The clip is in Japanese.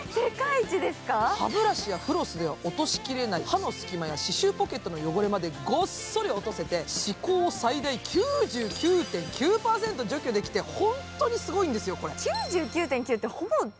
歯ブラシやフロスでは落としきれない歯周ポケットの汚れまで歯こうを最大９９．９％除去できて本当にすごいんですよ、これ。